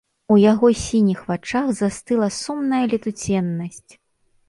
У яго сініх вачах застыла сумная летуценнасць.